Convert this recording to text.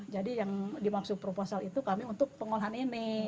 jadi yang dimaksud proposal itu kami untuk pengolahan ini